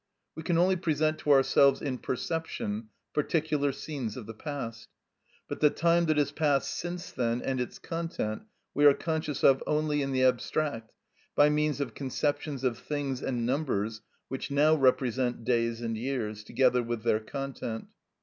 We can only present to ourselves in perception particular scenes of the past, but the time that has passed since then and its content we are conscious of only in the abstract by means of conceptions of things and numbers which now represent days and years, together with their content.